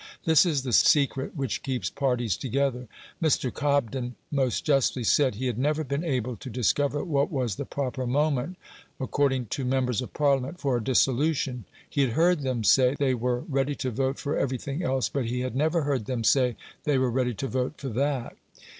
This is the secret which keeps parties together. Mr. Cobden most justly said: "He had never been able to discover what was the proper moment, according to members of Parliament, for a dissolution. He had heard them say they were ready to vote for everything else, but he had never heard them say they were ready to vote for that."